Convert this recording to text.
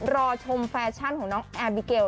รอชมแฟชั่นของน้องแอร์บิเกล